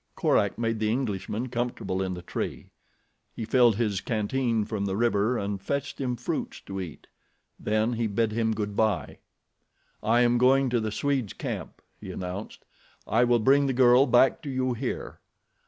Korak made the Englishman comfortable in the tree. He filled his canteen from the river and fetched him fruits to eat. Then he bid him good bye. "I am going to the Swede's camp," he announced. "I will bring the girl back to you here."